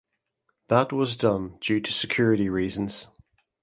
That was done due to security reasons.